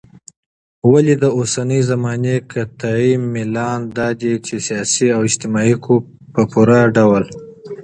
ولي داوسنۍ زماني قطعي ميلان دادى چې سياسي او اجتماعي حقوق په پوره ډول